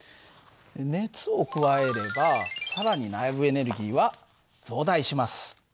熱を加えれば更に内部エネルギーは増大します。